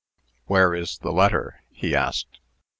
"Where is the letter?" he asked.